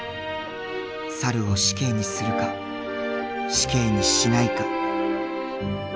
猿を死刑にするか死刑にしないか。